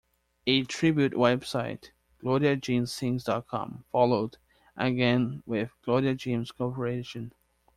A tribute website, GloriaJeanSings.com, followed, again with Gloria Jean's cooperation.